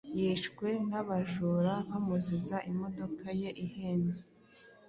Yishwe n’abajura bamuziza imodoka ye ihenze